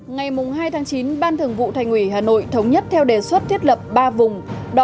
ngày hai tháng chín ban thường vụ thành ủy hà nội thống nhất theo đề xuất thiết lập ba vùng